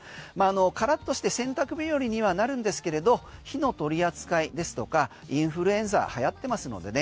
カラッとして洗濯日和にはなるんですけれど火の取り扱いですとかインフルエンザはやってますのでね